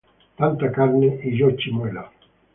Tanta carne y yo chimuelo